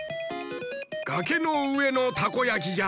がけのうえのたこやきじゃ。